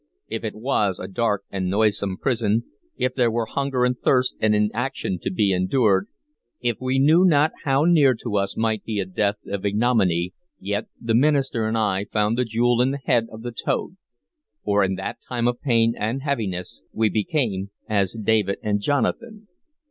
If it was a dark and noisome prison, if there were hunger and thirst and inaction to be endured, if we knew not how near to us might be a death of ignominy, yet the minister and I found the jewel in the head of the toad; for in that time of pain and heaviness we became as David and Jonathan.